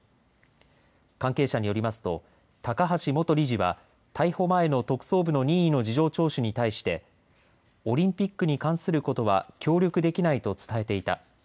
関係者によりますと高橋元理事は逮捕前の特捜部の任意の事情聴取に対してオリンピックに関することは協力できないと伝えていた。